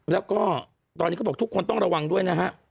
แล้วก็ตอนนี้เขาบอกทุกคนต้องระวังด้วยนะฮะ